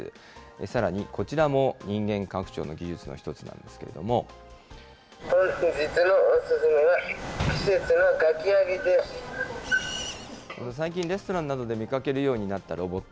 さらにこちらも人間拡張の技術の最近、レストランなどで見かけるようになったロボット。